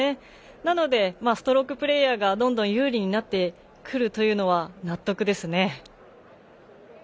なので、ストロークプレーヤーがどんどん有利になってくるというのは納得ですね。